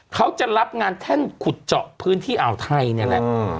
เขาจะรับงานแท่นขุดเจาะพื้นที่อ่าวไทยเนี่ยแหละ